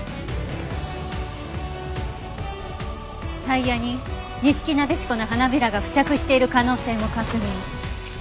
タイヤにニシキナデシコの花びらが付着している可能性も確認。